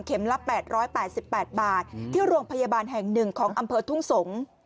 ละ๘๘บาทที่โรงพยาบาลแห่ง๑ของอำเภอทุ่งสงศ์